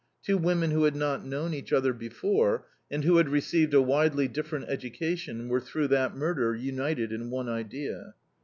Two women who had not known each other before, and who had received a widely different education, were through that murder united in one idea.